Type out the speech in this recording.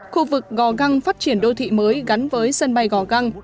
khu vực gò găng phát triển đô thị mới gắn với sân bay gò găng